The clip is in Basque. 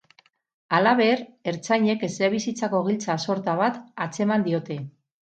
Halaber, ertzainek etxebizitzako giltza sorta bat atzeman diote.